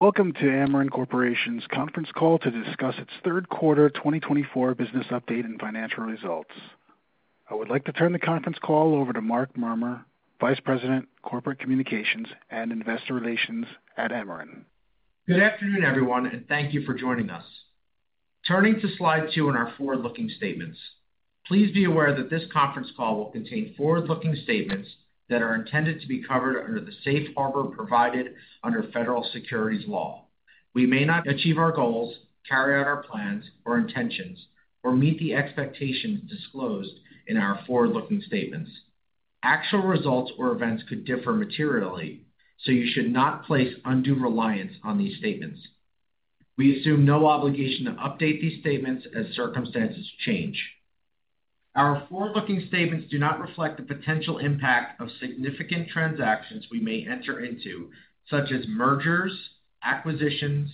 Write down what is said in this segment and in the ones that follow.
Welcome to Amarin Corporation's conference call to discuss its third quarter 2024 business update and financial results. I would like to turn the conference call over to Mark Marmur, Vice President, Corporate Communications and Investor Relations at Amarin. Good afternoon, everyone, and thank you for joining us. Turning to slide two in our forward-looking statements, please be aware that this conference call will contain forward-looking statements that are intended to be covered under the safe harbor provided under federal securities law. We may not achieve our goals, carry out our plans or intentions, or meet the expectations disclosed in our forward-looking statements. Actual results or events could differ materially, so you should not place undue reliance on these statements. We assume no obligation to update these statements as circumstances change. Our forward-looking statements do not reflect the potential impact of significant transactions we may enter into, such as mergers, acquisitions,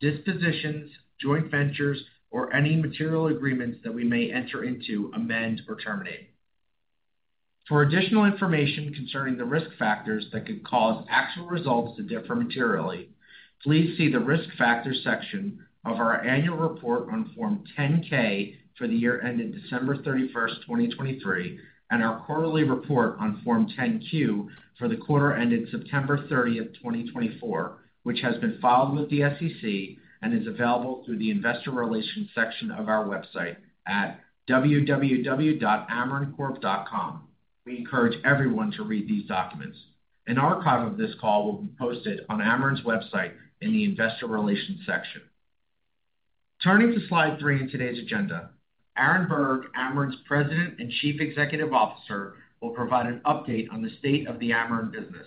dispositions, joint ventures, or any material agreements that we may enter into, amend, or terminate. For additional information concerning the risk factors that could cause actual results to differ materially, please see the risk factors section of our annual report on Form 10-K for the year ended December 31st, 2023, and our quarterly report on Form 10-Q for the quarter ended September 30th, 2024, which has been filed with the SEC and is available through the investor relations section of our website at www.amarincorp.com. We encourage everyone to read these documents. An archive of this call will be posted on Amarin's website in the investor relations section. Turning to slide three in today's agenda, Aaron Berg, Amarin's President and Chief Executive Officer, will provide an update on the state of the Amarin business.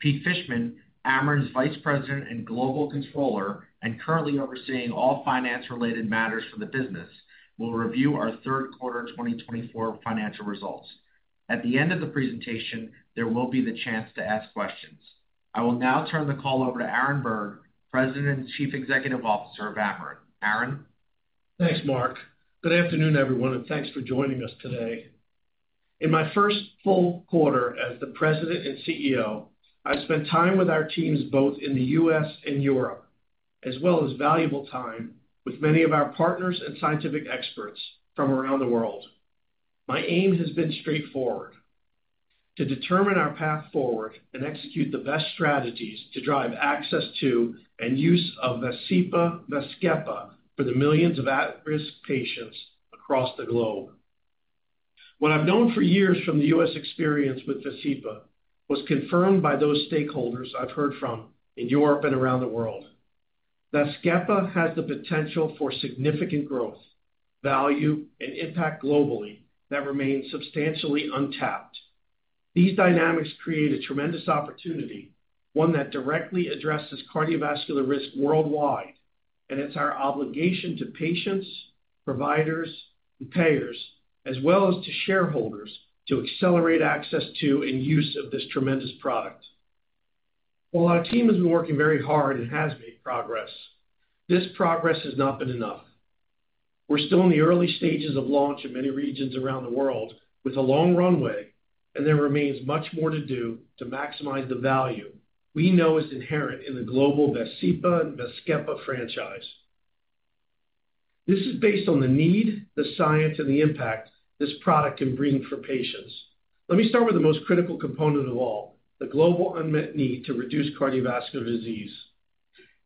Pete Fishman, Amarin's Vice President and Global Controller, and currently overseeing all finance-related matters for the business, will review our third quarter 2024 financial results. At the end of the presentation, there will be the chance to ask questions. I will now turn the call over to Aaron Berg, President and Chief Executive Officer of Amarin. Aaron? Thanks, Mark. Good afternoon, everyone, and thanks for joining us today. In my first full quarter as the President and CEO, I spent time with our teams both in the U.S. and Europe, as well as valuable time with many of our partners and scientific experts from around the world. My aim has been straightforward: to determine our path forward and execute the best strategies to drive access to and use of VASCEPA/VAZKEPA for the millions of at-risk patients across the globe. What I've known for years from the U.S. experience with VASCEPA/VAZKEPA was confirmed by those stakeholders I've heard from in Europe and around the world. VAZKEPA has the potential for significant growth, value, and impact globally that remains substantially untapped. These dynamics create a tremendous opportunity, one that directly addresses cardiovascular risk worldwide, and it's our obligation to patients, providers, and payers, as well as to shareholders, to accelerate access to and use of this tremendous product. While our team has been working very hard and has made progress, this progress has not been enough. We're still in the early stages of launch in many regions around the world with a long runway, and there remains much more to do to maximize the value we know is inherent in the global VASCEPA/VAZKEPA franchise. This is based on the need, the science, and the impact this product can bring for patients. Let me start with the most critical component of all: the global unmet need to reduce cardiovascular disease.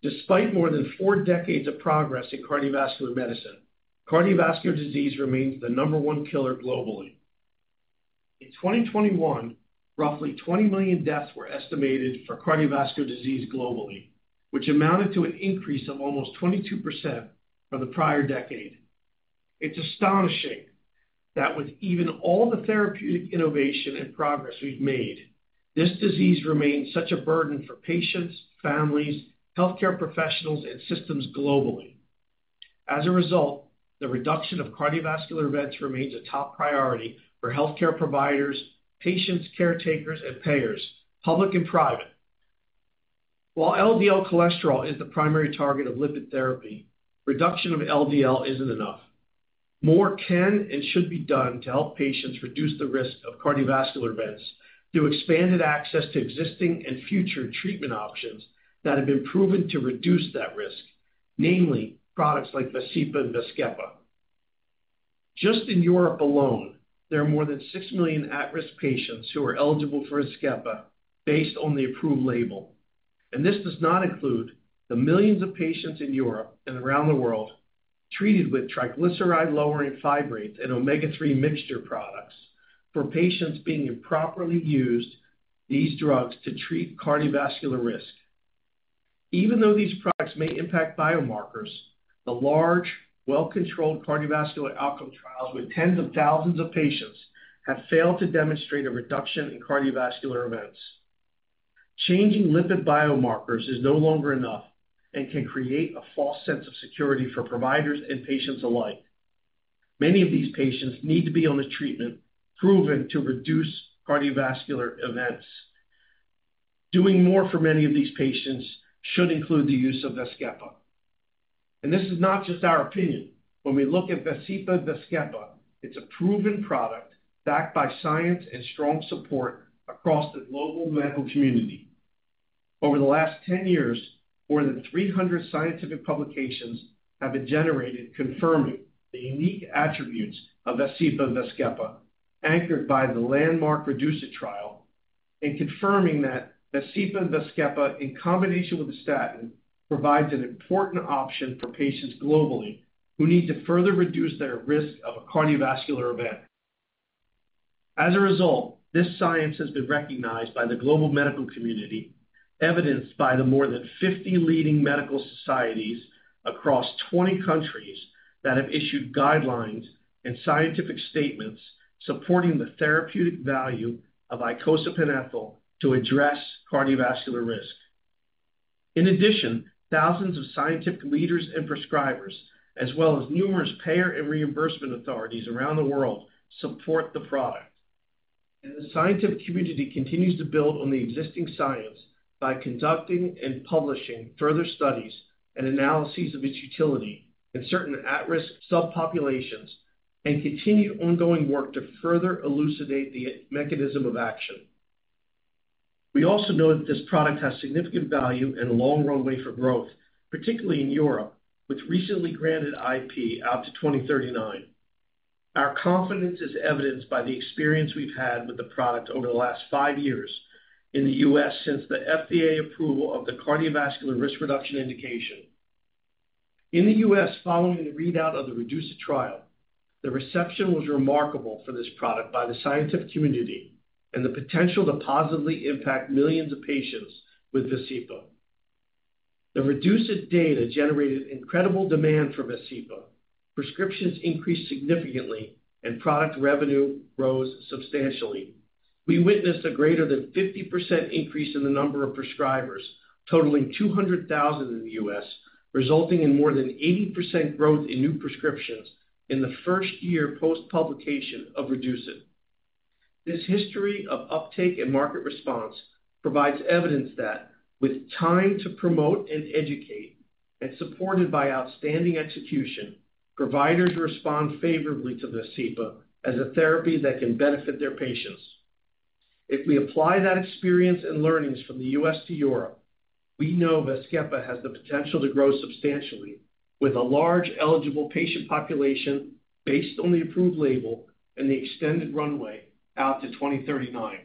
Despite more than four decades of progress in cardiovascular medicine, cardiovascular disease remains the number one killer globally. In 2021, roughly 20 million deaths were estimated for cardiovascular disease globally, which amounted to an increase of almost 22% from the prior decade. It's astonishing that with even all the therapeutic innovation and progress we've made, this disease remains such a burden for patients, families, healthcare professionals, and systems globally. As a result, the reduction of cardiovascular events remains a top priority for healthcare providers, patients, caretakers, and payers, public and private. While LDL cholesterol is the primary target of lipid therapy, reduction of LDL isn't enough. More can and should be done to help patients reduce the risk of cardiovascular events through expanded access to existing and future treatment options that have been proven to reduce that risk, namely products like VASCEPA/VAZKEPA. Just in Europe alone, there are more than 6 million at-risk patients who are eligible for VAZKEPA based on the approved label. This does not include the millions of patients in Europe and around the world treated with triglyceride-lowering fibrates and omega-3 mixture products for patients being improperly used these drugs to treat cardiovascular risk. Even though these products may impact biomarkers, the large, well-controlled cardiovascular outcome trials with tens of thousands of patients have failed to demonstrate a reduction in cardiovascular events. Changing lipid biomarkers is no longer enough and can create a false sense of security for providers and patients alike. Many of these patients need to be on a treatment proven to reduce cardiovascular events. Doing more for many of these patients should include the use of VAZKEPA. This is not just our opinion. When we look at VASCEPA/VAZKEPA, it's a proven product backed by science and strong support across the global medical community. Over the last 10 years, more than 300 scientific publications have been generated confirming the unique attributes of VASCEPA/VAZKEPA, anchored by the landmark REDUCE-IT trial, and confirming that VASCEPA/VAZKEPA, in combination with the statin, provides an important option for patients globally who need to further reduce their risk of a cardiovascular event. As a result, this science has been recognized by the global medical community, evidenced by the more than 50 leading medical societies across 20 countries that have issued guidelines and scientific statements supporting the therapeutic value of icosapent ethyl to address cardiovascular risk. In addition, thousands of scientific leaders and prescribers, as well as numerous payer and reimbursement authorities around the world, support the product. And the scientific community continues to build on the existing science by conducting and publishing further studies and analyses of its utility in certain at-risk subpopulations and continued ongoing work to further elucidate the mechanism of action. We also know that this product has significant value and a long runway for growth, particularly in Europe, with recently granted IP out to 2039. Our confidence is evidenced by the experience we've had with the product over the last five years in the U.S. since the FDA approval of the cardiovascular risk reduction indication. In the U.S., following the readout of the REDUCE-IT trial, the reception was remarkable for this product by the scientific community and the potential to positively impact millions of patients with VASCEPA. The REDUCE-IT data generated incredible demand for VASCEPA. Prescriptions increased significantly, and product revenue rose substantially. We witnessed a greater than 50% increase in the number of prescribers, totaling 200,000 in the U.S., resulting in more than 80% growth in new prescriptions in the first year post-publication of REDUCE-IT. This history of uptake and market response provides evidence that, with time to promote and educate, and supported by outstanding execution, providers respond favorably to VASCEPA as a therapy that can benefit their patients. If we apply that experience and learnings from the U.S. to Europe, we know VAZKEPA has the potential to grow substantially with a large eligible patient population based on the approved label and the extended runway out to 2039.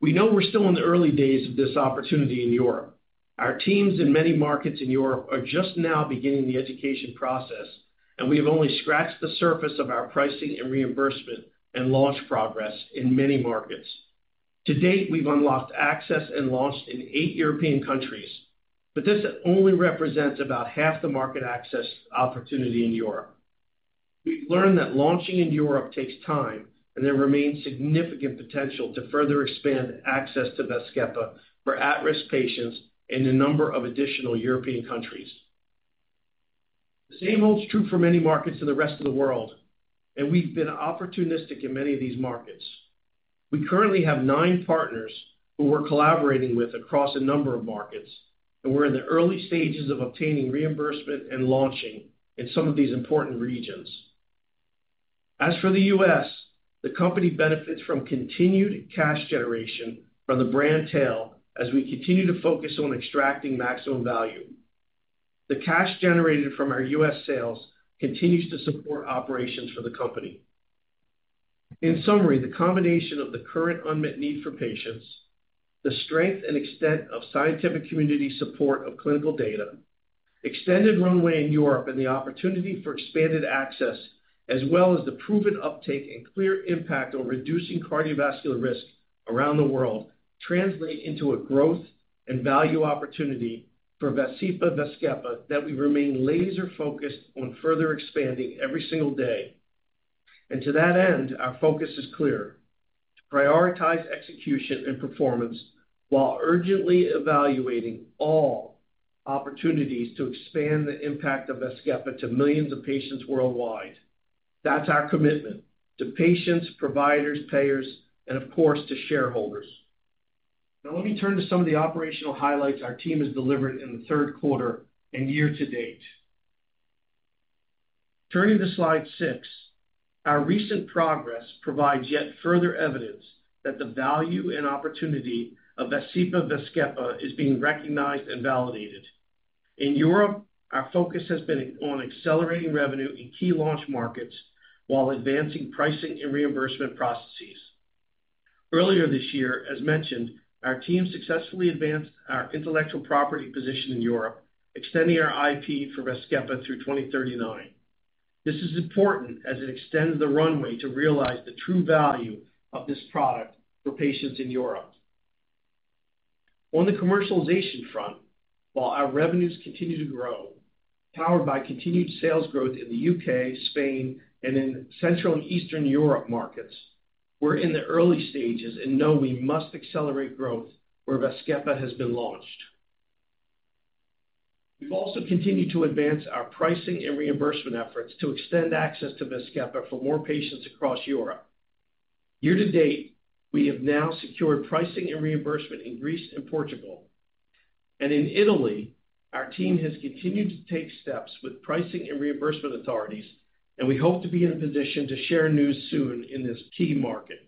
We know we're still in the early days of this opportunity in Europe. Our teams in many markets in Europe are just now beginning the education process, and we have only scratched the surface of our pricing and reimbursement and launch progress in many markets. To date, we've unlocked access and launched in eight European countries, but this only represents about half the market access opportunity in Europe. We've learned that launching in Europe takes time, and there remains significant potential to further expand access to VAZKEPA for at-risk patients in a number of additional European countries. The same holds true for many markets in the rest of the world, and we've been opportunistic in many of these markets. We currently have nine partners who we're collaborating with across a number of markets, and we're in the early stages of obtaining reimbursement and launching in some of these important regions. As for the U.S., the company benefits from continued cash generation from the brand tail as we continue to focus on extracting maximum value. The cash generated from our U.S. sales continues to support operations for the company. In summary, the combination of the current unmet need for patients, the strength and extent of scientific community support of clinical data, extended runway in Europe, and the opportunity for expanded access, as well as the proven uptake and clear impact on reducing cardiovascular risk around the world, translate into a growth and value opportunity for VASCEPA/VAZKEPA that we remain laser-focused on further expanding every single day, and to that end, our focus is clear: to prioritize execution and performance while urgently evaluating all opportunities to expand the impact of VAZKEPA to millions of patients worldwide. That's our commitment to patients, providers, payers, and of course, to shareholders. Now, let me turn to some of the operational highlights our team has delivered in the third quarter and year to date. Turning to slide 6, our recent progress provides yet further evidence that the value and opportunity of VASCEPA/VAZKEPA is being recognized and validated. In Europe, our focus has been on accelerating revenue in key launch markets while advancing pricing and reimbursement processes. Earlier this year, as mentioned, our team successfully advanced our intellectual property position in Europe, extending our IP for VASCEPA through 2039. This is important as it extends the runway to realize the true value of this product for patients in Europe. On the commercialization front, while our revenues continue to grow, powered by continued sales growth in the U.K., Spain, and in Central and Eastern Europe markets, we're in the early stages and know we must accelerate growth where VAZKEPA has been launched. We've also continued to advance our pricing and reimbursement efforts to extend access to VAZKEPA for more patients across Europe. Year to date, we have now secured pricing and reimbursement in Greece and Portugal. And in Italy, our team has continued to take steps with pricing and reimbursement authorities, and we hope to be in a position to share news soon in this key market.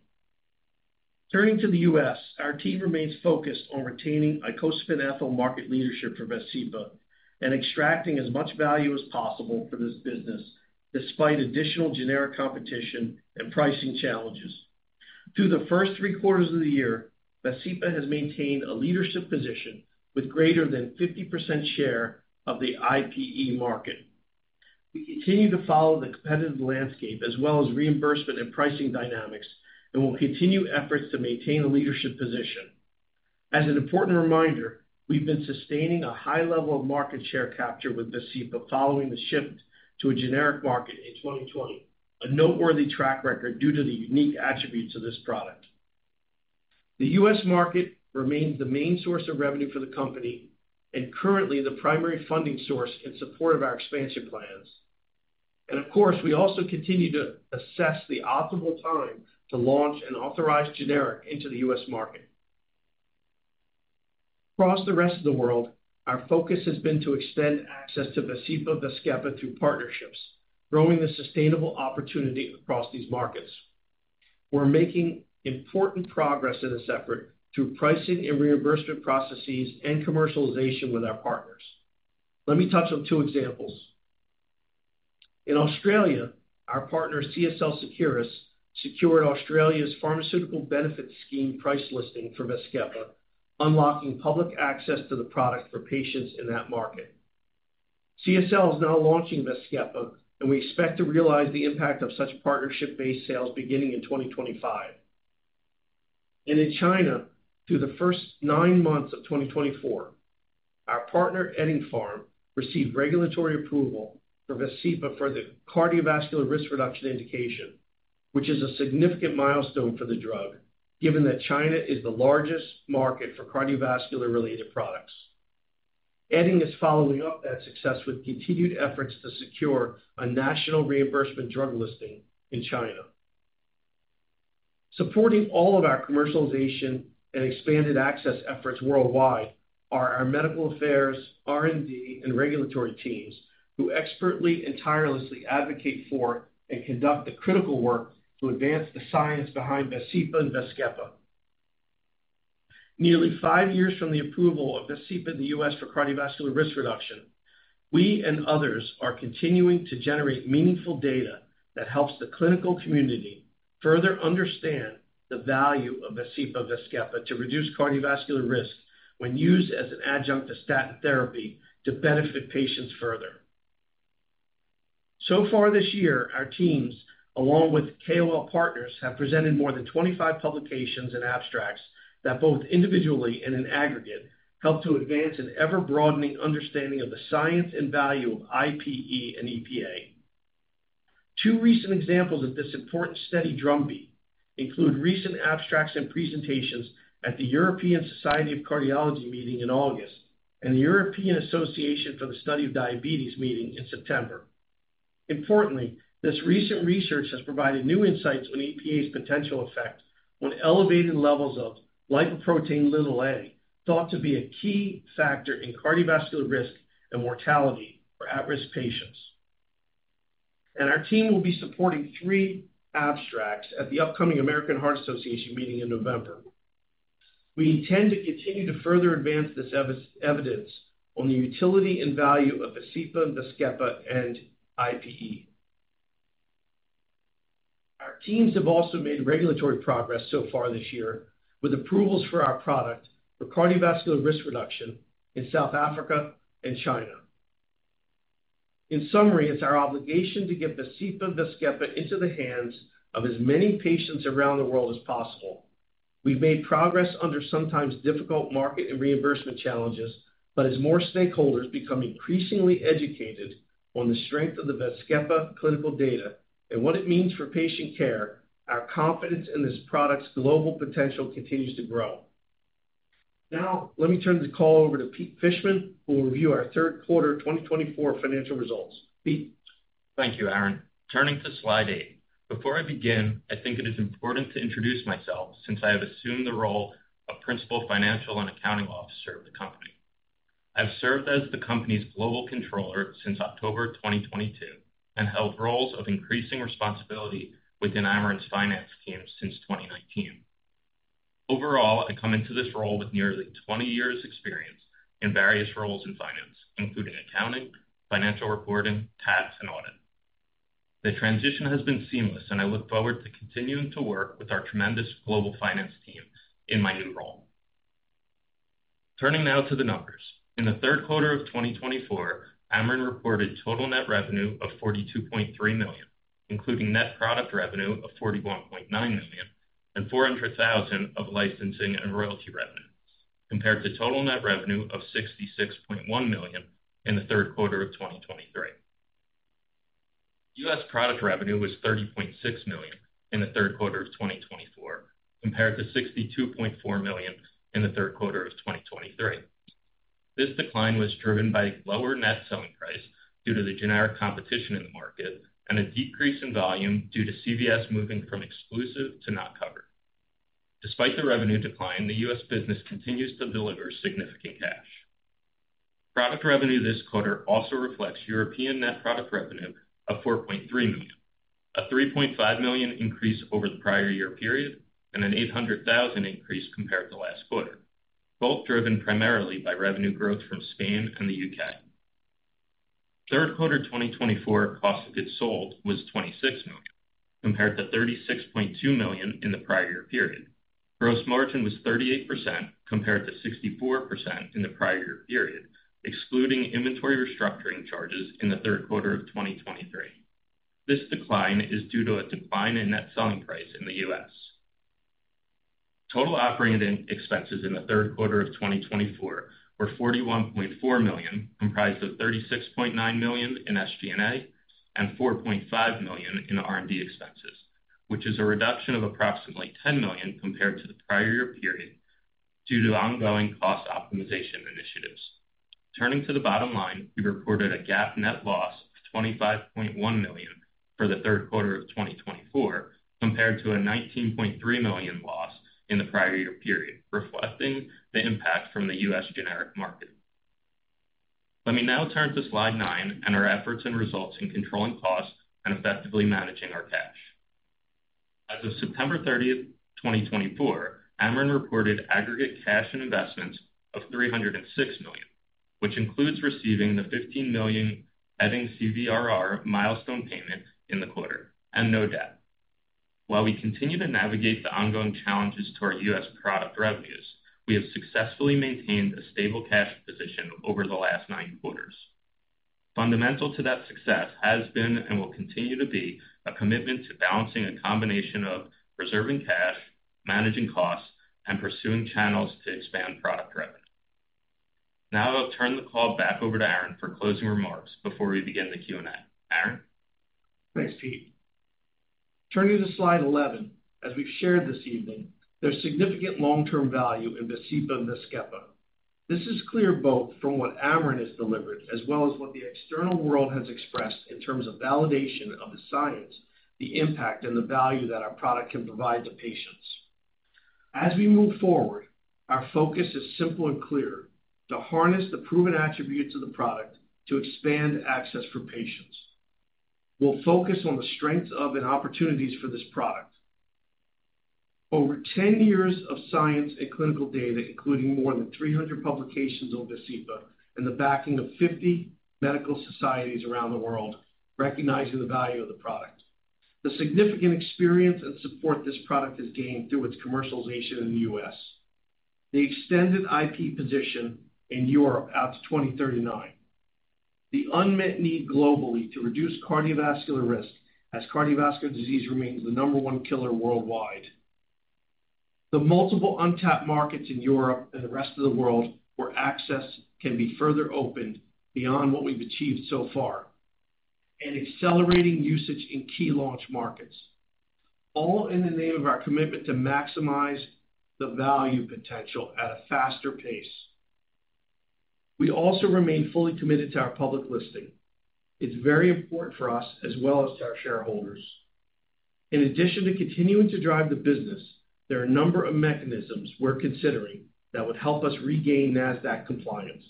Turning to the U.S., our team remains focused on retaining icosapent ethyl market leadership for VASCEPA and extracting as much value as possible for this business despite additional generic competition and pricing challenges. Through the first three quarters of the year, VASCEPA has maintained a leadership position with greater than 50% share of the IPE market. We continue to follow the competitive landscape as well as reimbursement and pricing dynamics, and we'll continue efforts to maintain a leadership position. As an important reminder, we've been sustaining a high level of market share capture with VASCEPA following the shift to a generic market in 2020, a noteworthy track record due to the unique attributes of this product. The U.S. market remains the main source of revenue for the company and currently the primary funding source in support of our expansion plans. And of course, we also continue to assess the optimal time to launch an authorized generic into the U.S. market. Across the rest of the world, our focus has been to extend access to VASCEPA/VAZKEPA through partnerships, growing the sustainable opportunity across these markets. We're making important progress in this effort through pricing and reimbursement processes and commercialization with our partners. Let me touch on two examples. In Australia, our partner CSL Seqirus secured Australia's Pharmaceutical Benefits Scheme price listing for VAZKEPA, unlocking public access to the product for patients in that market. CSL is now launching VAZKEPA, and we expect to realize the impact of such partnership-based sales beginning in 2025. In China, through the first nine months of 2024, our partner Eddingpharm received regulatory approval for VASCEPA for the cardiovascular risk reduction indication, which is a significant milestone for the drug, given that China is the largest market for cardiovascular-related products. Eddingpharm is following up that success with continued efforts to secure a national reimbursement drug listing in China. Supporting all of our commercialization and expanded access efforts worldwide are our medical affairs, R&D, and regulatory teams who expertly and tirelessly advocate for and conduct the critical work to advance the science behind VASCEPA/VAZKEPA. Nearly five years from the approval of VASCEPA in the U.S. for cardiovascular risk reduction, we and others are continuing to generate meaningful data that helps the clinical community further understand the value of VASCEPA/VAZKEPA to reduce cardiovascular risk when used as an adjunct to statin therapy to benefit patients further. So far this year, our teams, along with KOL partners, have presented more than 25 publications and abstracts that both individually and in aggregate help to advance an ever-broadening understanding of the science and value of IPE and EPA. Two recent examples of this important study drumbeat include recent abstracts and presentations at the European Society of Cardiology meeting in August and the European Association for the Study of Diabetes meeting in September. Importantly, this recent research has provided new insights on EPA's potential effect on elevated levels of lipoprotein(a), thought to be a key factor in cardiovascular risk and mortality for at-risk patients, and our team will be supporting three abstracts at the upcoming American Heart Association meeting in November. We intend to continue to further advance this evidence on the utility and value of VASCEPA/VAZKEPA, and IPE. Our teams have also made regulatory progress so far this year with approvals for our product for cardiovascular risk reduction in South Africa and China. In summary, it's our obligation to get VASCEPA/VAZKEPA, into the hands of as many patients around the world as possible. We've made progress under sometimes difficult market and reimbursement challenges, but as more stakeholders become increasingly educated on the strength of the VAZKEPA clinical data and what it means for patient care, our confidence in this product's global potential continues to grow. Now, let me turn the call over to Peter Fishman, who will review our third quarter 2024 financial results. Peter. Thank you, Aaron. Turning to slide eight, before I begin, I think it is important to introduce myself since I have assumed the role of Principal Financial and Accounting Officer of the company. I've served as the company's Global Controller since October 2022 and held roles of increasing responsibility within Amarin's finance team since 2019. Overall, I come into this role with nearly 20 years' experience in various roles in finance, including accounting, financial reporting, tax, and audit. The transition has been seamless, and I look forward to continuing to work with our tremendous global finance team in my new role. Turning now to the numbers. In the third quarter of 2024, Amarin reported total net revenue of $42.3 million, including net product revenue of $41.9 million and $400,000 of licensing and royalty revenue, compared to total net revenue of $66.1 million in the third quarter of 2023. U.S. product revenue was $30.6 million in the third quarter of 2024, compared to $62.4 million in the third quarter of 2023. This decline was driven by a lower net selling price due to the generic competition in the market and a decrease in volume due to CVS moving from exclusive to not covered. Despite the revenue decline, the U.S. business continues to deliver significant cash. Product revenue this quarter also reflects European net product revenue of $4.3 million, a $3.5 million increase over the prior year period, and an $800,000 increase compared to last quarter, both driven primarily by revenue growth from Spain and the U.K. Third quarter 2024 cost of goods sold was $26 million, compared to $36.2 million in the prior year period. Gross margin was 38% compared to 64% in the prior year period, excluding inventory restructuring charges in the third quarter of 2023. This decline is due to a decline in net selling price in the U.S. Total operating expenses in the third quarter of 2024 were $41.4 million, comprised of $36.9 million in SG&A and $4.5 million in R&D expenses, which is a reduction of approximately $10 million compared to the prior year period due to ongoing cost optimization initiatives. Turning to the bottom line, we reported a GAAP net loss of $25.1 million for the third quarter of 2024, compared to a $19.3 million loss in the prior year period, reflecting the impact from the U.S. generic market. Let me now turn to slide 9 and our efforts and results in controlling costs and effectively managing our cash. As of September 30th, 2024, Amarin reported aggregate cash and investments of $306 million, which includes receiving the $15 million Eddingpharm CVRR milestone payment in the quarter and no debt. While we continue to navigate the ongoing challenges to our U.S. product revenues, we have successfully maintained a stable cash position over the last nine quarters. Fundamental to that success has been and will continue to be a commitment to balancing a combination of preserving cash, managing costs, and pursuing channels to expand product revenue. Now, I'll turn the call back over to Aaron for closing remarks before we begin the Q&A. Aaron. Thanks, Peter. Turning to slide 11, as we've shared this evening, there's significant long-term value in VASCEPA/VAZKEPA. This is clear both from what Amarin has delivered as well as what the external world has expressed in terms of validation of the science, the impact, and the value that our product can provide to patients. As we move forward, our focus is simple and clear: to harness the proven attributes of the product to expand access for patients. We'll focus on the strengths of and opportunities for this product. Over 10 years of science and clinical data, including more than 300 publications on VASCEPA and the backing of 50 medical societies around the world, recognizing the value of the product. The significant experience and support this product has gained through its commercialization in the U.S. The extended IP position in Europe out to 2039. The unmet need globally to reduce cardiovascular risk as cardiovascular disease remains the number one killer worldwide. The multiple untapped markets in Europe and the rest of the world where access can be further opened beyond what we've achieved so far and accelerating usage in key launch markets. All in the name of our commitment to maximize the value potential at a faster pace. We also remain fully committed to our public listing. It's very important for us as well as to our shareholders. In addition to continuing to drive the business, there are a number of mechanisms we're considering that would help us regain Nasdaq compliance.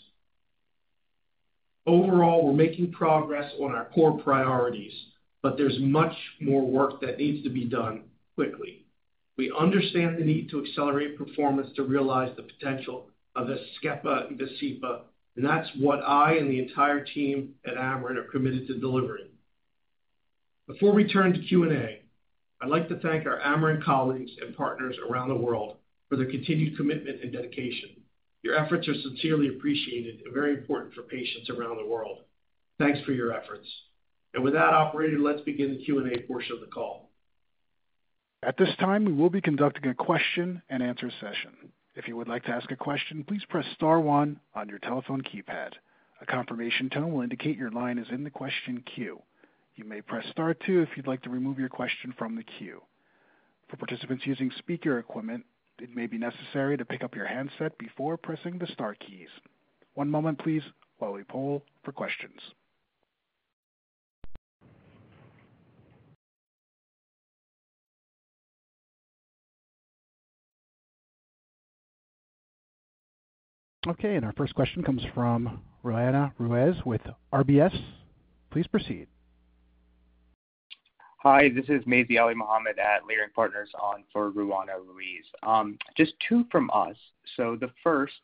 Overall, we're making progress on our core priorities, but there's much more work that needs to be done quickly. We understand the need to accelerate performance to realize the potential of VASCEPA/VAZKEPA, and that's what I and the entire team at Amarin are committed to delivering. Before we turn to Q&A, I'd like to thank our Amarin colleagues and partners around the world for their continued commitment and dedication. Your efforts are sincerely appreciated and very important for patients around the world. Thanks for your efforts. And with that, operator, let's begin the Q&A portion of the call. At this time, we will be conducting a question and answer session. If you would like to ask a question, please press Star one on your telephone keypad. A confirmation tone will indicate your line is in the question queue. You may press Star two if you'd like to remove your question from the queue. For participants using speaker equipment, it may be necessary to pick up your handset before pressing the Star keys. One moment, please, while we poll for questions. Okay, and our first question comes from Roanna Ruiz with RBS. Please proceed. Hi, this is Mazi Alimohamed at Leerink Partners on for Roanna Ruiz. Just two from us. So the first,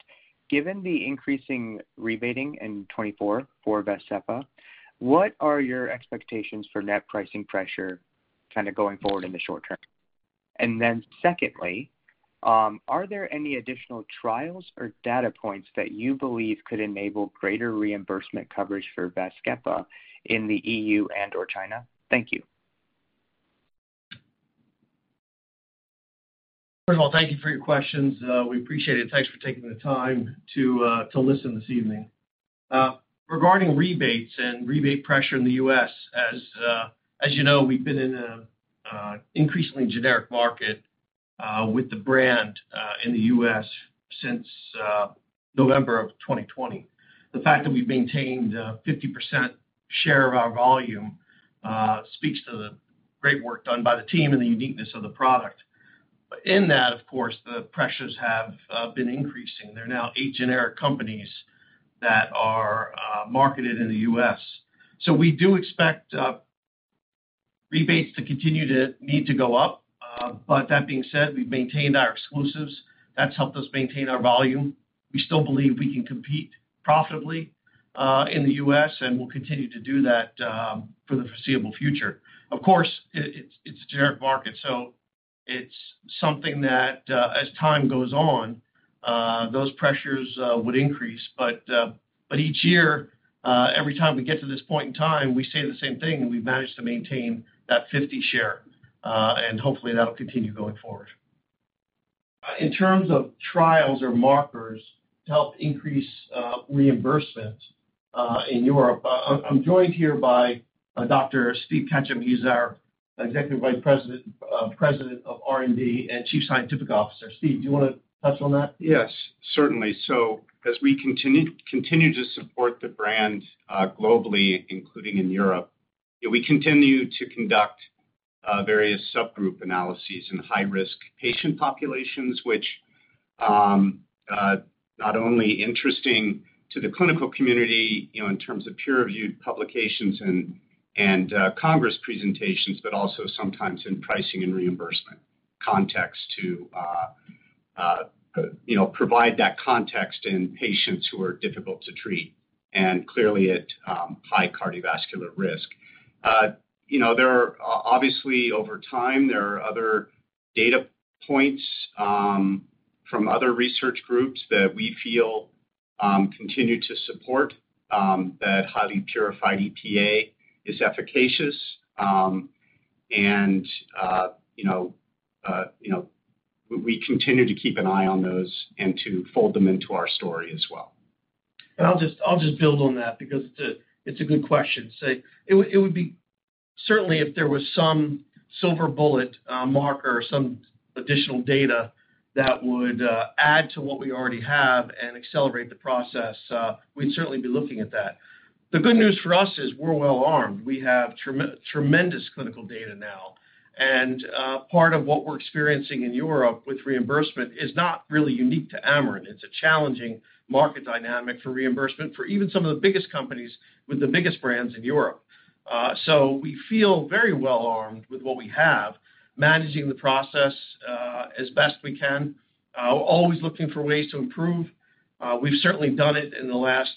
given the increasing rebating in 2024 for VASCEPA, what are your expectations for net pricing pressure kind of going forward in the short term? And then secondly, are there any additional trials or data points that you believe could enable greater reimbursement coverage for VASCEPA in the EU and/or China? Thank you. First of all, thank you for your questions. We appreciate it. Thanks for taking the time to listen this evening. Regarding rebates and rebate pressure in the U.S., as you know, we've been in an increasingly generic market with the brand in the U.S. since November of 2020. The fact that we've maintained a 50% share of our volume speaks to the great work done by the team and the uniqueness of the product. But in that, of course, the pressures have been increasing. There are now eight generic companies that are marketed in the U.S. So we do expect rebates to continue to need to go up. But that being said, we've maintained our exclusives. That's helped us maintain our volume. We still believe we can compete profitably in the U.S., and we'll continue to do that for the foreseeable future. Of course, it's a generic market, so it's something that, as time goes on, those pressures would increase. But each year, every time we get to this point in time, we say the same thing, and we've managed to maintain that 50 share, and hopefully that'll continue going forward. In terms of trials or markers to help increase reimbursement in Europe, I'm joined here by Dr. Steve Ketchum. He's our Executive Vice President of R&D and Chief Scientific Officer. Steve, do you want to touch on that? Yes, certainly. So as we continue to support the brand globally, including in Europe, we continue to conduct various subgroup analyses in high-risk patient populations, which are not only interesting to the clinical community in terms of peer-reviewed publications and Congress presentations, but also sometimes in pricing and reimbursement context to provide that context in patients who are difficult to treat and clearly at high cardiovascular risk. There are obviously, over time, there are other data points from other research groups that we feel continue to support that highly purified EPA is efficacious, and we continue to keep an eye on those and to fold them into our story as well. I'll just build on that because it's a good question. It would be certainly if there was some silver bullet marker or some additional data that would add to what we already have and accelerate the process, we'd certainly be looking at that. The good news for us is we're well armed. We have tremendous clinical data now, and part of what we're experiencing in Europe with reimbursement is not really unique to Amarin. It's a challenging market dynamic for reimbursement for even some of the biggest companies with the biggest brands in Europe. So we feel very well armed with what we have, managing the process as best we can, always looking for ways to improve. We've certainly done it in the last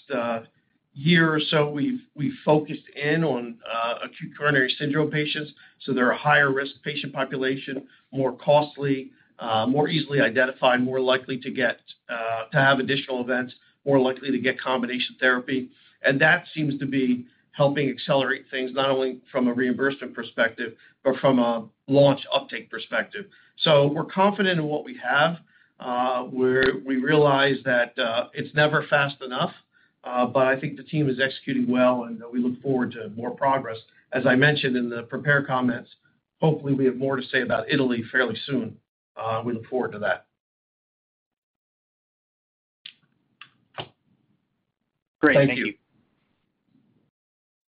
year or so. We've focused in on acute coronary syndrome patients. So they're a higher-risk patient population, more costly, more easily identified, more likely to have additional events, more likely to get combination therapy. And that seems to be helping accelerate things not only from a reimbursement perspective but from a launch uptake perspective. So we're confident in what we have. We realize that it's never fast enough, but I think the team is executing well, and we look forward to more progress. As I mentioned in the prepared comments, hopefully we have more to say about Italy fairly soon. We look forward to that. Great. Thank you.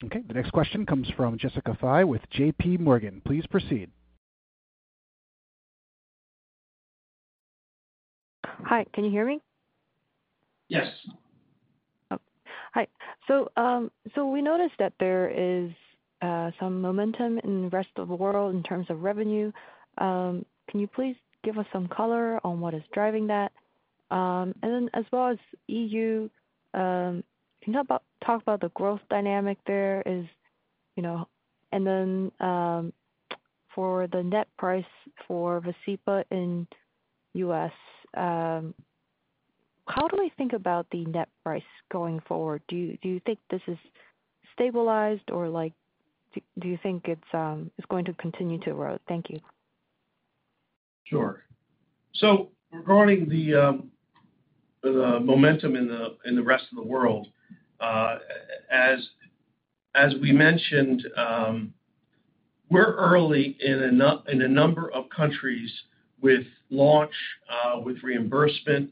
Okay, the next question comes from Jessica Fye with JPMorgan. Please proceed. Hi, can you hear me? Yes. Okay. So we noticed that there is some momentum in the rest of the world in terms of revenue. Can you please give us some color on what is driving that? And then as well as EU, can you talk about the growth dynamic there? And then for the net price for VASCEPA in the U.S., how do we think about the net price going forward? Do you think this is stabilized, or do you think it's going to continue to grow? Thank you. Sure. So regarding the momentum in the rest of the world, as we mentioned, we're early in a number of countries with launch, with reimbursement,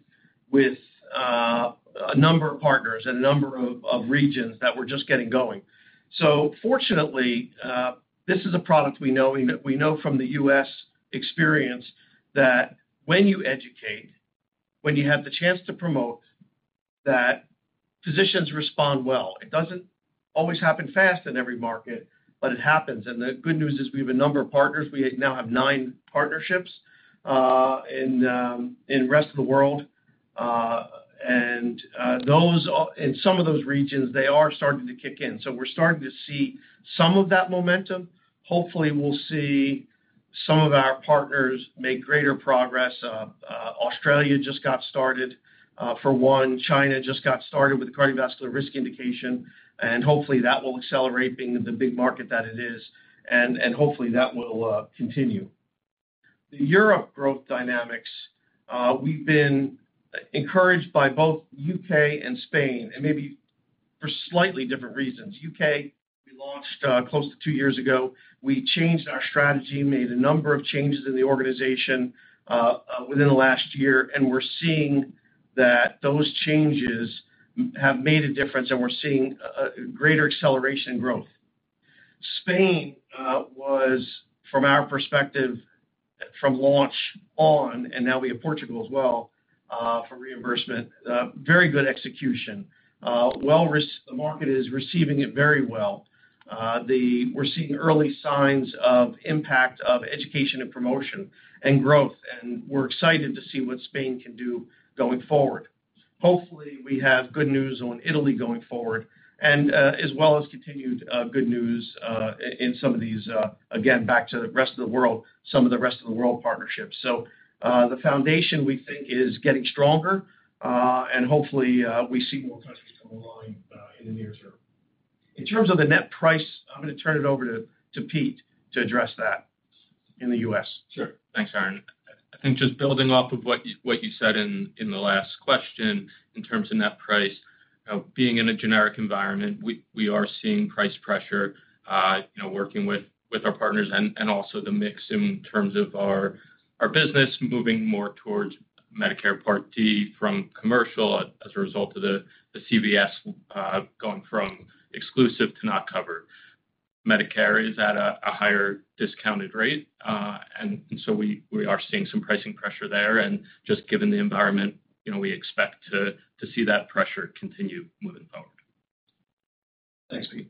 with a number of partners and a number of regions that we're just getting going. So fortunately, this is a product we know from the U.S. Experience that when you educate, when you have the chance to promote, that physicians respond well. It doesn't always happen fast in every market, but it happens. And the good news is we have a number of partners. We now have nine partnerships in the rest of the world. And in some of those regions, they are starting to kick in. So we're starting to see some of that momentum. Hopefully, we'll see some of our partners make greater progress. Australia just got started, for one. China just got started with the cardiovascular risk indication. And hopefully, that will accelerate being the big market that it is. And hopefully, that will continue. The Europe growth dynamics, we've been encouraged by both the U.K. and Spain, and maybe for slightly different reasons. The U.K., we launched close to two years ago. We changed our strategy, made a number of changes in the organization within the last year, and we're seeing that those changes have made a difference, and we're seeing greater acceleration in growth. Spain was, from our perspective, from launch on, and now we have Portugal as well for reimbursement, very good execution. The market is receiving it very well. We're seeing early signs of impact of education and promotion and growth, and we're excited to see what Spain can do going forward. Hopefully, we have good news on Italy going forward, as well as continued good news in some of these, again, back to the rest of the world, some of the rest of the world partnerships. So the foundation, we think, is getting stronger, and hopefully, we see more countries come along in the near term. In terms of the net price, I'm going to turn it over to Pete to address that in the U.S. Sure. Thanks, Aaron. I think just building off of what you said in the last question in terms of net price, being in a generic environment, we are seeing price pressure working with our partners and also the mix in terms of our business moving more towards Medicare Part D from commercial as a result of the CVS going from exclusive to not covered. Medicare is at a higher discounted rate, and so we are seeing some pricing pressure there. And just given the environment, we expect to see that pressure continue moving forward. Thanks, Peter.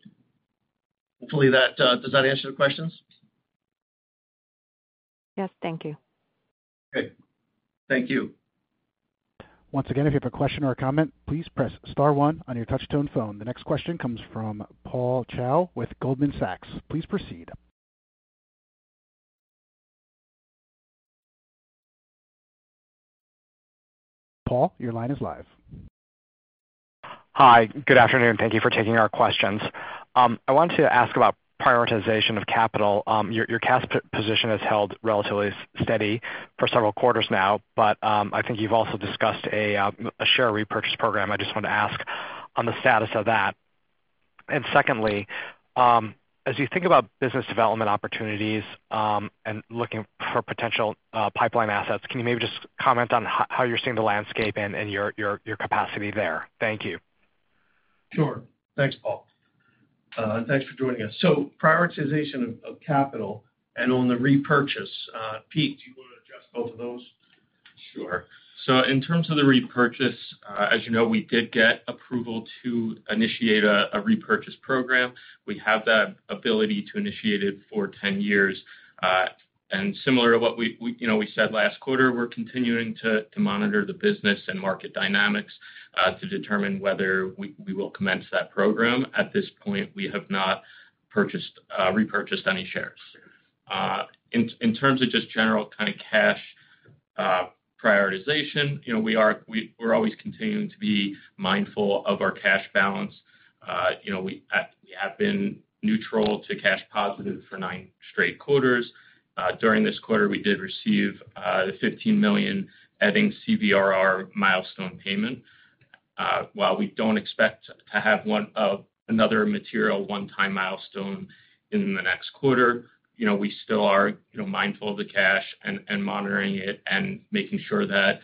Hopefully, does that answer the questions? Yes, thank you. Okay. Thank you. Once again, if you have a question or a comment, please press star one on your touch-tone phone. The next question comes from Paul Choi with Goldman Sachs. Please proceed. Paul, your line is live. Hi, good afternoon. Thank you for taking our questions. I wanted to ask about prioritization of capital. Your cash position has held relatively steady for several quarters now, but I think you've also discussed a share repurchase program. I just wanted to ask on the status of that. And secondly, as you think about business development opportunities and looking for potential pipeline assets, can you maybe just comment on how you're seeing the landscape and your capacity there? Thank you. Sure. Thanks, Paul. Thanks for joining us. So prioritization of capital and on the repurchase. Peter, do you want to address both of those? Sure. So in terms of the repurchase, as you know, we did get approval to initiate a repurchase program. We have that ability to initiate it for 10 years. Similar to what we said last quarter, we're continuing to monitor the business and market dynamics to determine whether we will commence that program. At this point, we have not repurchased any shares. In terms of just general kind of cash prioritization, we're always continuing to be mindful of our cash balance. We have been neutral to cash positive for nine straight quarters. During this quarter, we did receive the $15 million in CVRR milestone payment. While we don't expect to have another material one-time milestone in the next quarter, we still are mindful of the cash and monitoring it and making sure that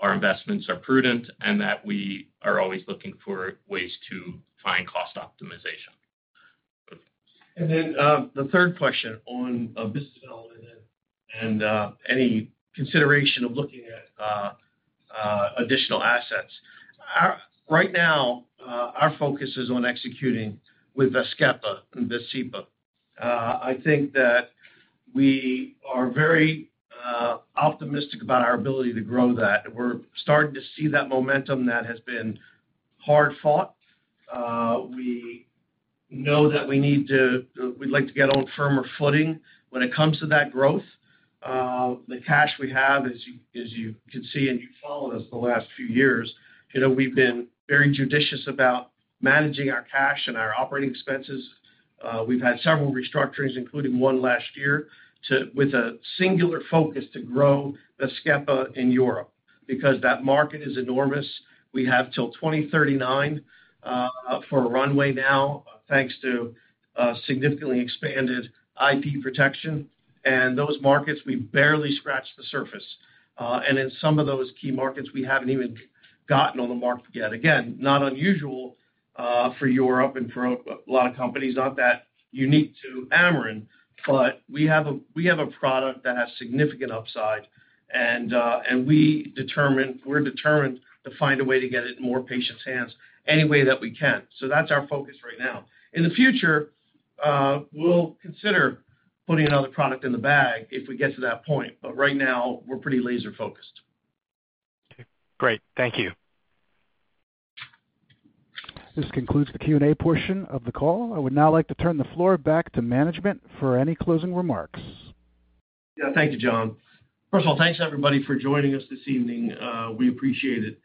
our investments are prudent and that we are always looking for ways to find cost optimization. The third question on business development and any consideration of looking at additional assets. Right now, our focus is on executing with VASCEPA/VAZKEPA. I think that we are very optimistic about our ability to grow that. We're starting to see that momentum that has been hard-fought. We know that we'd like to get on firmer footing when it comes to that growth. The cash we have, as you can see and you followed us the last few years, we've been very judicious about managing our cash and our operating expenses. We've had several restructurings, including one last year, with a singular focus to grow VAZKEPA in Europe because that market is enormous. We have till 2039 for a runway now, thanks to significantly expanded IP protection. Those markets, we've barely scratched the surface. In some of those key markets, we haven't even gotten on the market yet. Again, not unusual for Europe and for a lot of companies, not that unique to Amarin, but we have a product that has significant upside. And we're determined to find a way to get it in more patients' hands any way that we can. So that's our focus right now. In the future, we'll consider putting another product in the bag if we get to that point. But right now, we're pretty laser-focused. Okay. Great. Thank you. This concludes the Q&A portion of the call. I would now like to turn the floor back to management for any closing remarks. Yeah. Thank you, John. First of all, thanks, everybody, for joining us this evening. We appreciate it.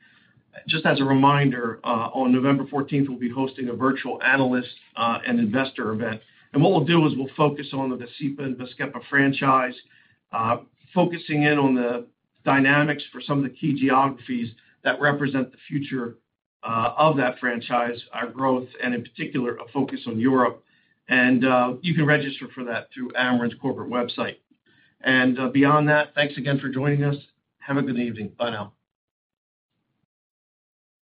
Just as a reminder, on November 14th, we'll be hosting a virtual analyst and investor event. What we'll do is we'll focus on the VASCEPA/VAZKEPA franchise, focusing in on the dynamics for some of the key geographies that represent the future of that franchise, our growth, and in particular, a focus on Europe. You can register for that through Amarin's corporate website. Beyond that, thanks again for joining us. Have a good evening. Bye now.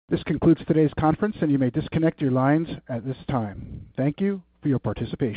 This concludes today's conference, and you may disconnect your lines at this time. Thank you for your participation.